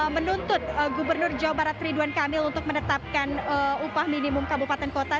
menuntut gubernur jawa barat ridwan kamil untuk menetapkan upah minimum kabupaten kota